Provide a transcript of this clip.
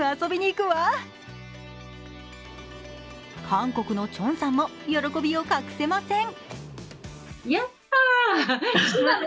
韓国のチョンさんも喜びを隠せません。